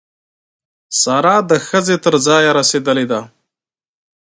سارا د ښځې تر ځایه رسېدلې ده.